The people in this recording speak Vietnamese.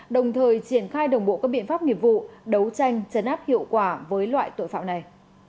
đồng thời triển khai đồng bộ các biện pháp nghiệp vụ đấu tranh chấn áp hiệu quả với loại tội phạm này